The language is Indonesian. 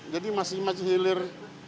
jadi masih hilir